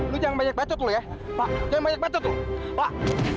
lo jangan banyak bacot lo ya pak jangan banyak bacot lo pak